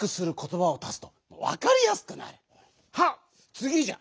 つぎじゃ。